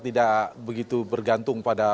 tidak begitu bergantung pada